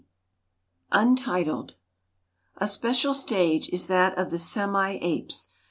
A special stage is that of the semi apes.